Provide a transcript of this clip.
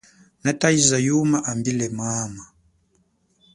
Nataiza yuma ambile mama.